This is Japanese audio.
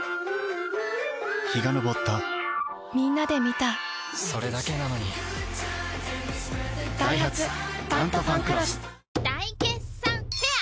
陽が昇ったみんなで観たそれだけなのにダイハツ「タントファンクロス」大決算フェア